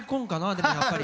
でもやっぱり。